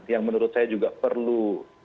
yang menurut saya juga perlu